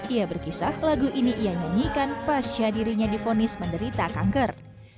ia berkisah lagu ini ia nyanyikan pasca dirinya difonis menderita kanker